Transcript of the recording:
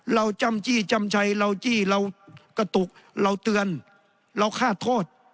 จำจี้จำชัยเราจี้เรากระตุกเราเตือนเราฆ่าโทษ